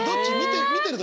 見てる時？